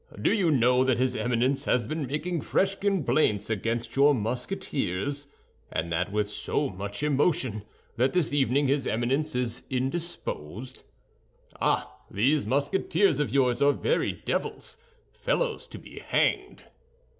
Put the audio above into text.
Do you know that his Eminence has been making fresh complaints against your Musketeers, and that with so much emotion, that this evening his Eminence is indisposed? Ah, these Musketeers of yours are very devils—fellows to be hanged."